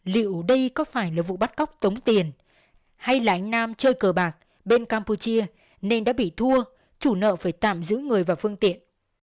liệu đây có phải là vụ bắt cóc tống tiền hay là anh nam chơi cờ bạc bên campuchia nên đã bị thua chủ nợ phải tạm giữ người và phương tiện